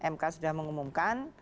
mk sudah mengumumkan